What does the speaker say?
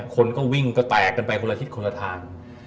คนก็วิ่งก็แตกกันไปคนละทิศคนละทาง